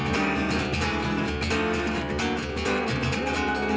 แล้วจะอะไรกัน